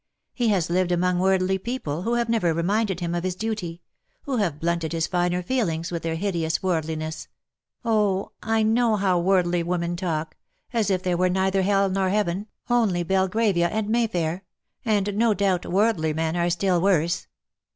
He has lived among worldly people who have never reminded him of his duty — who have blunted his finer feelings with their hideous wordliness — oh, I know how worldly women talk — as if there were neither hell nor heaven, only Belgravia and Mayfair — and no doubt worldly men are still worse.